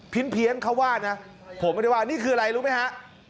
ี้ยนเขาว่านะผมไม่ได้ว่านี่คืออะไรรู้ไหมฮะ